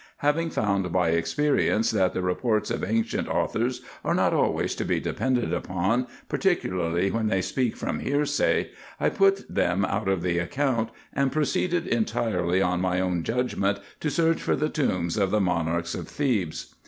Having found by experience, that the reports of ancient authors are not always to be depended upon, particularly when they speak from hearsay, I put them out of the account, and proceeded entirely on my own judgment to search for the tombs of the monarchs of Thebes.